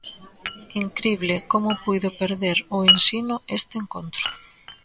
Incrible como puido perder o Ensino este encontro.